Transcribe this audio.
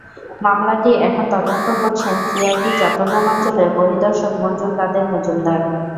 মামলাটি এখন তদন্ত করছেন সিআইডি চট্টগ্রাম অঞ্চলের পরিদর্শক মনজুর কাদের মজুমদার।